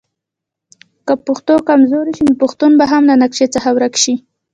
که پښتو کمزورې شي نو پښتون به هم له نقشه څخه ورک شي.